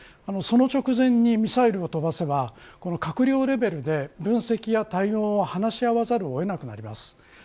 その直前にミサイルを飛ばせば閣僚レベルで分析や対応を話し合わざるを得なくなります。